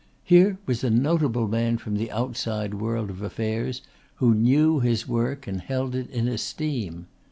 Here was a notable man from the outside world of affairs who knew his work and held it in esteem.